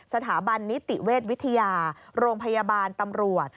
สถาบันนิติเวชวิทยาโรงพยาบาลตำรวจ